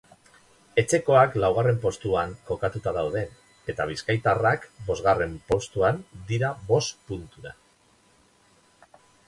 Etxekoak laugarren postuan kokatuta daude eta bizkaitarrak bosgarren postuan dira bost puntura.